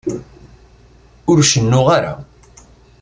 Ur cennuɣ ara.